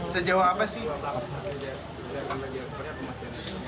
sejauh apa sih